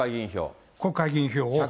国会議員票。